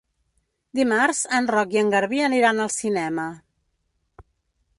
Dimarts en Roc i en Garbí aniran al cinema.